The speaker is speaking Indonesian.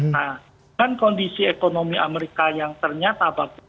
nah dengan kondisi ekonomi amerika yang ternyata bagus